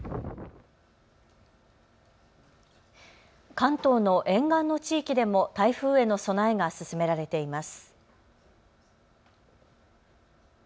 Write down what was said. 関東の沿岸の地域でも台風への備えが進められています。